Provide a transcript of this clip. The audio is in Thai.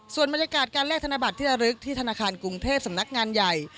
ส่วนบรรยากาศการแลกธนบัตรที่ระลึกที่ธนาคารกรุงเทพสำนักงานใหญ่